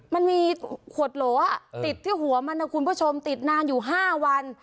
มันมีขวดโหลติดที่หัวมันนะคุณผู้ชมติดนานอยู่๕วัน